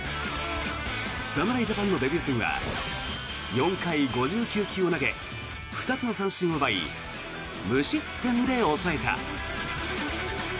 侍ジャパンのデビュー戦は４回５９球を投げ２つの三振を奪い無失点で抑えた。